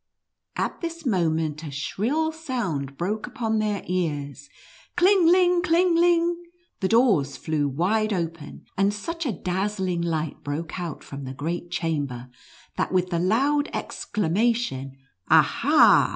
At this moment a shrill sound broke upon their ears — kling, ling — kling, ling — the doors flew wide open, and such a dazzling light broke out from the great chamber, that with the loud exclamation, " Ah !